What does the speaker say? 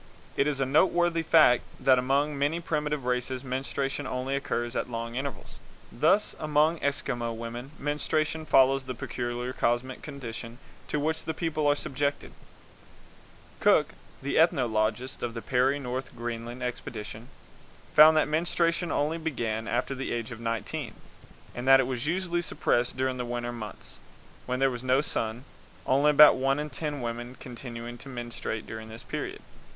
It is a noteworthy fact that among many primitive races menstruation only occurs at long intervals. Thus among Eskimo women menstruation follows the peculiar cosmic conditions to which the people are subjected; Cook, the ethnologist of the Peary North Greenland expedition, found that menstruation only began after the age of nineteen, and that it was usually suppressed during the winter months, when there is no sun, only about one in ten women continuing to menstruate during this period.